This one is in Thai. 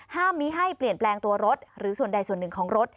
ห้ามมีให้เปลี่ยนแปลงตัวรถหรือส่วนใดส่วนหนึ่งของรถ